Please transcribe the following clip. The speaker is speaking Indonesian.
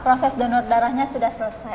proses donor darahnya sudah selesai